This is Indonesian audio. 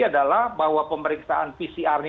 adalah bahwa pemeriksaan pcr ini